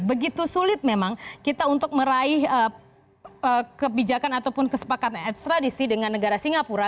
begitu sulit memang kita untuk meraih kebijakan ataupun kesepakatan ekstradisi dengan negara singapura